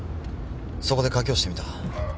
そこで賭けをしてみた。